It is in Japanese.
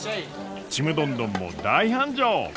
ちむどんどんも大繁盛！